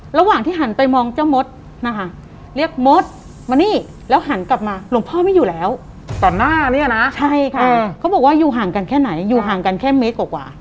หลวงที่หันไปมองเจ้ามด